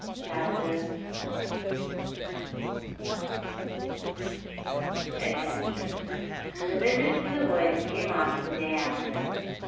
CHAPTER IV Adventures The visit to the wood came off the day after.